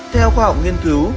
theo khoa học nghiên cứu